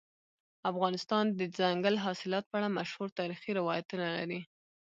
افغانستان د دځنګل حاصلات په اړه مشهور تاریخی روایتونه لري.